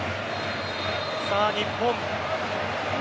さあ日本。